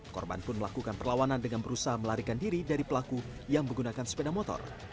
korban pun melakukan perlawanan dengan berusaha melarikan diri dari pelaku yang menggunakan sepeda motor